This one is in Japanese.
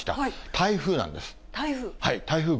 台風なんです。